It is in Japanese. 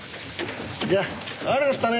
じゃあ悪かったね